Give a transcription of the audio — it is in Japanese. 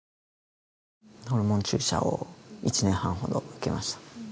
ホルモン注射を１年半ほど受けました